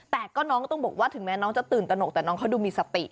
แต่ก็น้องต้องบอกว่าถึงแม้น้องจะตื่นตนกแต่น้องเขาดูมีสติ